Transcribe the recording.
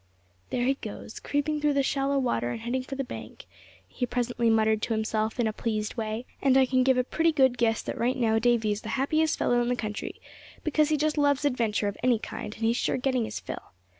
"There he goes, creeping through the shallow water and heading for the bank," he presently muttered to himself in a pleased way. "And I can give a pretty good guess that right now Davy is the happiest fellow in the county; because he just loves adventure of any kind, and he's sure getting his fill.